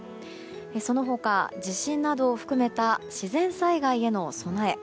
その他、地震などを含めた自然災害への備え。